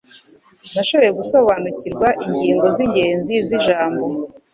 Nashoboye gusobanukirwa ingingo zingenzi zijambo.